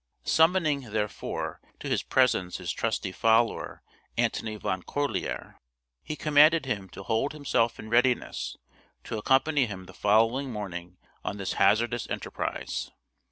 Summoning, therefore, to his presence his trusty follower, Antony Van Corlear, he commanded him to hold himself in readiness to accompany him the following morning on this his hazardous enterprise.